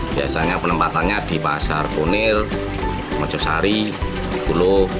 biasanya penempatannya di pasar kunil macu sari bulu